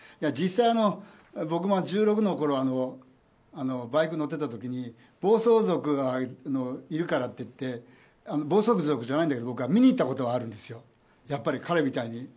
実際、僕も１６のころバイクに乗っていた時に暴走族がいるからって僕は暴走族じゃないんだけど僕は見に行ったことがあるんですよ、彼みたいに。